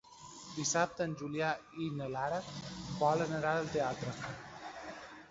Dissabte en Julià i na Lara volen anar al teatre.